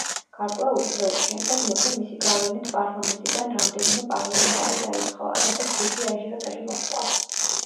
გარკვეული დროის შემდეგ მეფემ მისი გავლენით პარლამენტიდან რამდენიმე პარლამენტარი დაითხოვა, რასაც დიდი აჟიოტაჟი მოჰყვა.